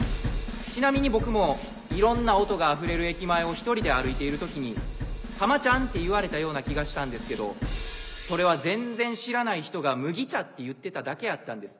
ちなみに僕もいろんな音が溢れる駅前を１人で歩いている時に「濱ちゃん」って言われたような気がしたんですけどそれは全然知らない人が「麦茶」って言ってただけやったんです。